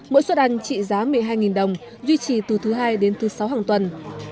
mỗi suất ăn trị giá một mươi hai đồng duy trì từ thứ hai đến thứ sáu hàng tuần